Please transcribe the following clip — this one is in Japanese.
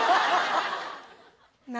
何？